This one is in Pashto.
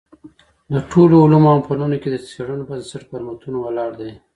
د ټولو علومو او فنونو کي د څېړنو بنسټ پر متونو ولاړ دﺉ.